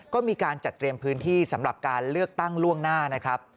ก็มีการจัดเตรียมพื้นที่สำหรับการเลือกตั้งล่วงหน้านะครับ